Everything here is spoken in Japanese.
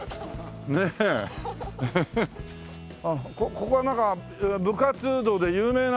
ここはなんか部活動で有名な。